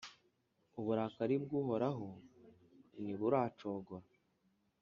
uburakari bw’Uhoraho ntiburacogora,